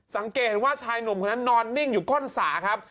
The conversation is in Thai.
สังเกตเห็นว่าชายหนุ่มคนนั้นนอนนิ่งอยู่ก้นสระครับ